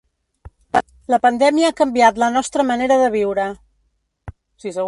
La pandèmia ha canviat la nostra manera de viure.